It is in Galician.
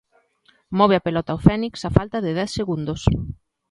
Move a pelota o Fénix, a falta de dez segundos.